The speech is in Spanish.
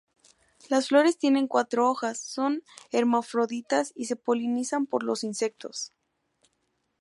Las flores tienen cuatro hojas, son hermafroditas y se polinizan por los insectos.